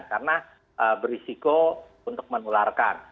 karena berisiko untuk menularkan